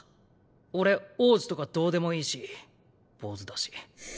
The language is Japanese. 俺王子とかどうでもいいし坊主だし。